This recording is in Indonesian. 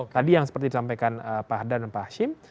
tadi yang seperti disampaikan pak harda dan pak hasim